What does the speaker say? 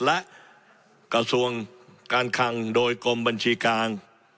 และกระทรวงการคังโดยกรมบัญชีกลาง